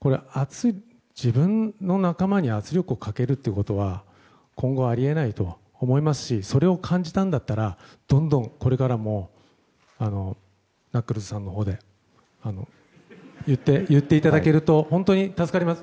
自分の仲間に圧力をかけるってことは今後あり得ないと思いますしそれを感じたんだったらどんどんこれからもナックルズさんのほうで言っていただけると本当に助かります。